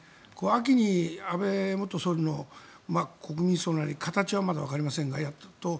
秋に安倍元総理の国民葬なり形はまだわかりませんがやると。